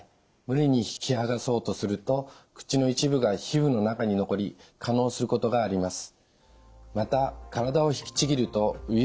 無理に引きはがそうとすると口の一部が皮膚の中に残り化のうすることがあります。